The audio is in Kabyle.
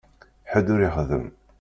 Ḥedd ur ixeddem.